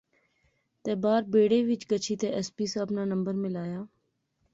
تے باہر بیڑے وچ گچھی تہ ایس پی صاحب ناں نمبر ملایا